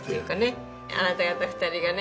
あなた方２人がね